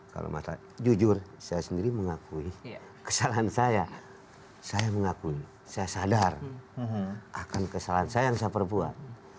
kalau masalah jujur saya sendiri mengakui kesalahan saya saya mengakui saya sadar akan kesalahan saya yang saya perbuat